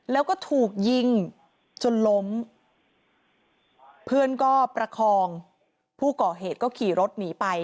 แล้วก็ถูกยิงจนล้มเพื่อนก็ประคองผู้ก่อเหตุก็ขี่รถหนีไป